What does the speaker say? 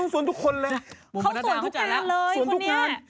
เขาสวนทุกคนเลยสวนทุกคนบุมนาดาเขาจัดแล้ว